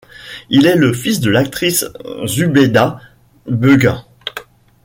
Il est le fils de l'actrice Zubeida Begum.